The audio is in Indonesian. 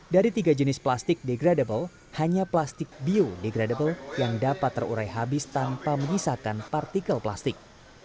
dari tiga jenis plastik degradable hanya plastik biodegradable yang dapat terurai habis tanpa menyisakan partikel plastik